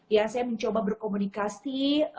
ya saya mencoba berkomunikasi